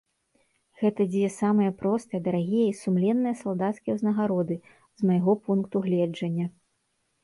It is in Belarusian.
Гэта дзве самыя простыя, дарагія і сумленныя салдацкія ўзнагароды, з майго пункту гледжання.